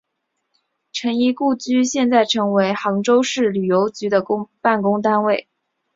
陈仪故居现在成为杭州市旅游局的办公单位。